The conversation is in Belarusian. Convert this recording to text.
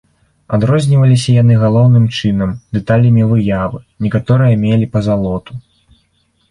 Адрозніваліся яны, галоўным чынам, дэталямі выявы, некаторыя мелі пазалоту.